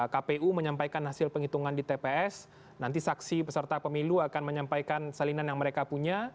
kpu menyampaikan hasil penghitungan di tps nanti saksi peserta pemilu akan menyampaikan salinan yang mereka punya